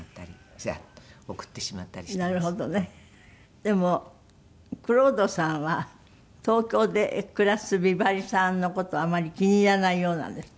でも蔵人さんは東京で暮らす美波里さんの事をあまり気に入らないようなんですって？